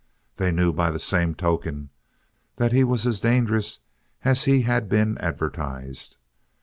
They knew, by the same token, that he was as dangerous as he had been advertised.